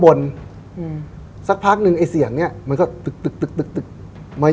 เคยด้านใต้ไม้มีใครอยู่อยู่แล้ว